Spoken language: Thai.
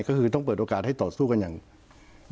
ก็คือจึงต้องเปิดโอกาสให้ต่อสู้๓๙๒๐๐๖๐๐๓๐๐๔เรือนความภาคทราบ